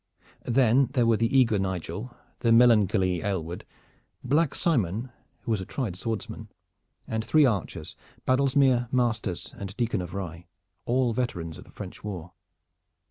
Then there were the eager Nigel, the melancholy Aylward, Black Simon who was a tried swordsman, and three archers, Baddlesmere, Masters and Dicon of Rye, all veterans of the French War.